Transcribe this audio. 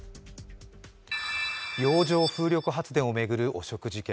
洋上風力発電を巡る汚職事件。